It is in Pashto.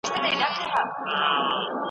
ایا د پاني پت میدان اوس هم تاریخي ارزښت لري؟